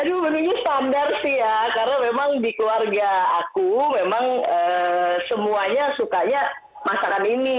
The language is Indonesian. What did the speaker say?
aduh menunya standar sih ya karena memang di keluarga aku memang semuanya sukanya masakan ini